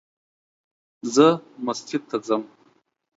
زه مسجد ته ځم